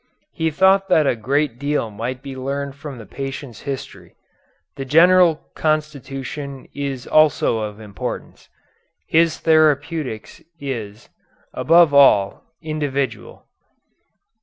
He thought that a great deal might be learned from the patient's history. The general constitution is also of importance. His therapeutics is, above all, individual.